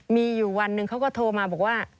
มีอยู่วันหนึ่งเขาก็โทรมาบอกว่า